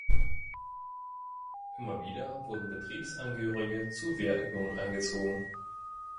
Immer wieder wurden Betriebsangehörige zu Wehrübungen eingezogen.